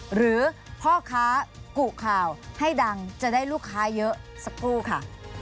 หรือพ่อค้ากุข่าวให้ดังจะได้ลูกค้าเยอะสักครู่ค่ะ